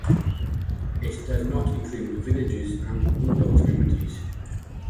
It does not include villages and rural communities.